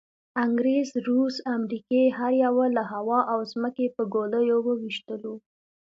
انګریز، روس، امریکې هر یوه له هوا او ځمکې په ګولیو وویشتلو.